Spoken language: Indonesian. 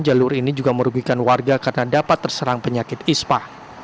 jalur ini juga merugikan warga karena dapat terserang penyakit ispa